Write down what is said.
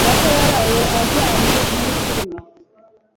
Data yaraye anjyanye muri firime.